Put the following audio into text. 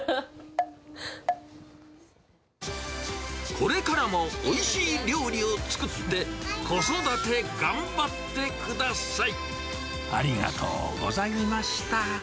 これからもおいしい料理を作って、子育て頑張ってください。